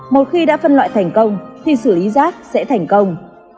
một khi đã phân loại thành công thì xử lý rác sẽ thành công